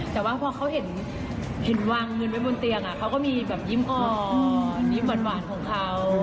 แต่ว่าพอเขาเห็นวางเงินไว้บนเตียงเขาก็มีแบบยิ้มอ่อนยิ้มหวานของเขา